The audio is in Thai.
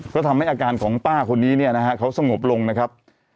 ก็ทำให้อาการของป้าคนนี้เนี่ยนะฮะเขาสงบลงนะครับ